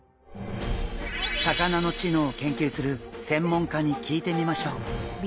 魚の知能を研究する専門家に聞いてみましょう。